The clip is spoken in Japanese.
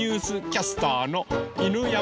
キャスターの犬山